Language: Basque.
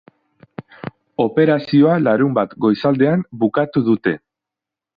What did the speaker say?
Operazioa larunbat goizaldean bukatu dute.